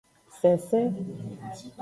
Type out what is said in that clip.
Sensen.